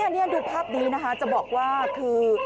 นี่ดูภาพนี้นะคะจะบอกว่าคือ